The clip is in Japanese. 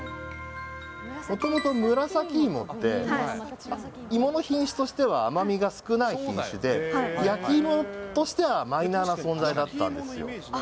もともと紫いもって、芋の品種としては甘みが少ない品種で、焼きいもとしてはマイナーな存在だったんですよ。